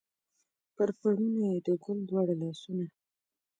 پر پوړني یې د ګل دواړه لاسونه